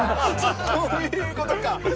そういうことか。